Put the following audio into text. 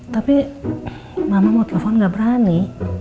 tapi mama mau telepon gak berani